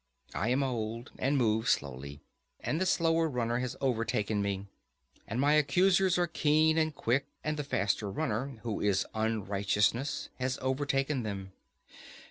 I am old and move slowly, and the slower runner has overtaken me, and my accusers are keen and quick, and the faster runner, who is unrighteousness, has overtaken them.